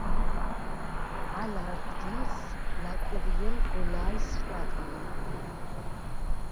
ალ არდგილს ლაკურიჲელ გოლაჲს ხვაყლედ.